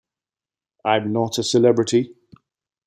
I'm not a celebrity.